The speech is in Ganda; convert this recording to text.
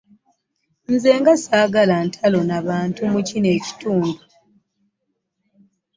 Nze nga ssaagala ntalo na bantu mu kino kitundu.